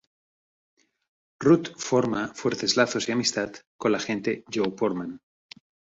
Ruth forma fuertes lazos y amistad con la agente Jo Portman.